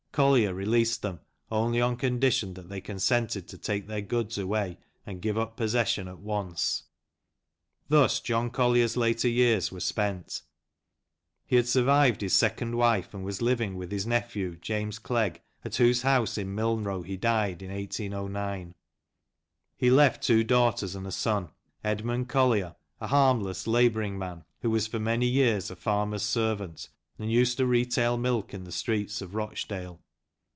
Collier released them only on condition that they consented to take their goods' away and give up possession at once. Thus John Collier's later years were spent. He had survived his second wife, and was living with his nephew, James Clegg, at whose house in Milnrow he died in 1809. He left two daughters and a son, Edmund Collier, a harmless labouring man, who was for many years a farmer's servant, and used to retail milk in the streets of Rochdale.